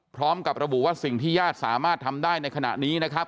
พร้อมกับระบุว่าสิ่งที่ญาติสามารถทำได้ในขณะนี้นะครับ